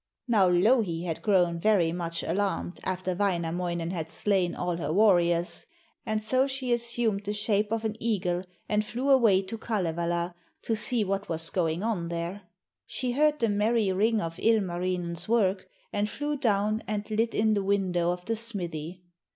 Now Louhi had grown very much alarmed after Wainamoinen had slain all her warriors, and so she assumed the shape of an eagle and flew away to Kalevala to see what was going on there. She heard the merry ring of Ilmarinen's work and flew down and lit in the window of the smithy.